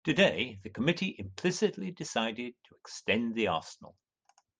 Today the committee implicitly decided to extend the arsenal.